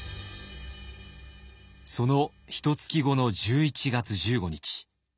そのひとつき後の１１月１５日。